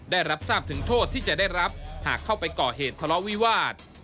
ได้รับทราบถึงโทษที่จะได้รับหากเข้าไปก่อเหตุทะเลาะวิวาส